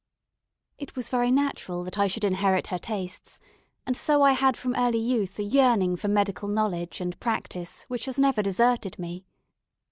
It was very natural that I should inherit her tastes; and so I had from early youth a yearning for medical knowledge and practice which has never deserted me.